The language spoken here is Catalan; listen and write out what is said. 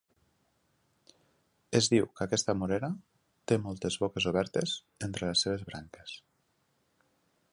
Es diu que aquesta morera té moltes boques obertes entre les seves branques.